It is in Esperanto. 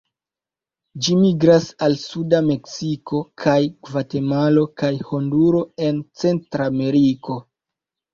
Ĝi migras al suda Meksiko kaj Gvatemalo kaj Honduro en Centrameriko.